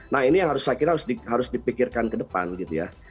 nah ini yang harus saya kira harus dipikirkan ke depan gitu ya